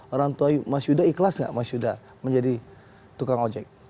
orang tua mas yuda ikhlas gak mas yuda menjadi tukang ojek